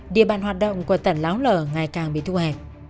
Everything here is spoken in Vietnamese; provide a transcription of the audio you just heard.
địa bàn hoạt động của tàn láo lở ngày càng bị thu hẹp